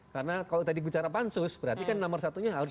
karena kalau tadi bicara pansus berarti kan nomor satunya harus